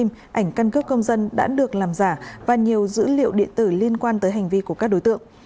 hình ảnh căn cước công dân đã được làm giả và nhiều dữ liệu điện tử liên quan tới hành vi của các đối tượng